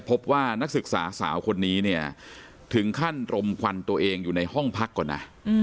พบว่านักศึกษาสาวคนนี้เนี่ยถึงขั้นรมควันตัวเองอยู่ในห้องพักก่อนนะ